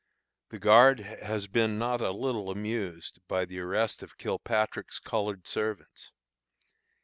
The guard has been not a little amused by the arrest of Kilpatrick's colored servants.